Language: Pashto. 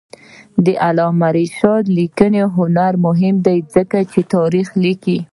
د علامه رشاد لیکنی هنر مهم دی ځکه چې تاریخ لیکي.